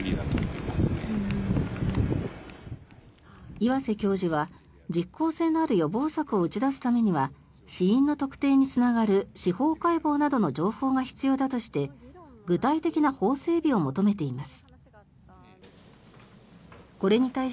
岩瀬教授は実効性のある予防策を打ち出すためには死因の特定につながる司法解剖などの情報が必要だとして具体的な法整備を求めています。